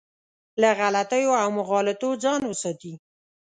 له غلطیو او مغالطو ځان وساتي.